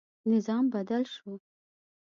نظام بدل شو.